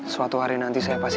suatu hari nanti saya pasti